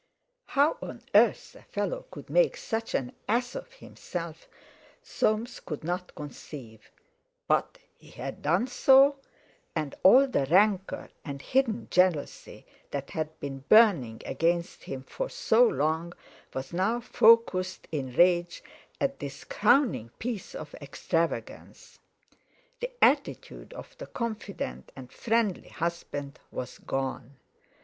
How on earth a fellow could make such an ass of himself Soames could not conceive; but he had done so, and all the rancour and hidden jealousy that had been burning against him for so long was now focussed in rage at this crowning piece of extravagance. The attitude of the confident and friendly husband was gone.